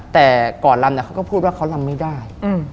แต่ก่อนลำเขาก็พูดว่าเขาลำไม่ได้